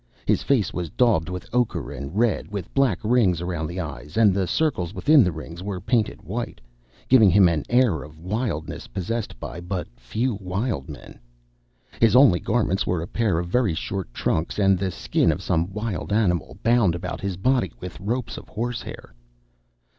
His face was daubed with ochre and red, with black rings around the eyes, and the circles within the rings were painted white, giving him an air of wildness possessed by but few wild men. His only garments were a pair of very short trunks and the skin of some wild animal, bound about his body with ropes of horse hair.